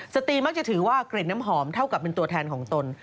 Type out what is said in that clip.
สตรีมักจะถือว่ากลิ่นน้ำหอมเท่ากับเป็นตัวแทนของตน